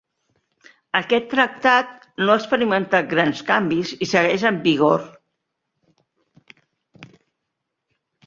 Aquest tractat no ha experimentat grans canvis i segueix en vigor.